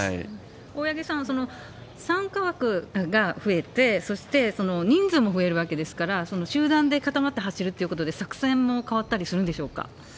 大八木さん、参加枠が増えて、そして、人数も増えるわけですから、集団で固まって走るっていうことで、作戦も変わったりするんでしょうか？